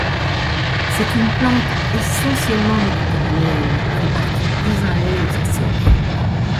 C’est une plante essentiellement méditerranéenne, répartie d’Israél aux Açores.